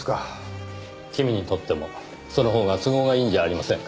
君にとってもそのほうが都合がいいんじゃありませんか？